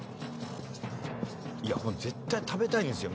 いやこれ絶対食べたいんですよ